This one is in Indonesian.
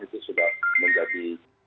itu sudah menjadi